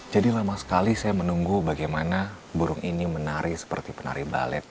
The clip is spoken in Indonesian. jadi lama sekali saya menunggu bagaimana burung ini menari seperti penari ballet